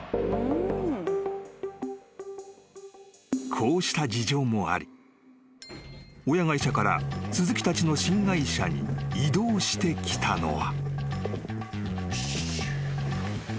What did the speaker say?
［こうした事情もあり親会社から鈴木たちの新会社に異動してきたのは］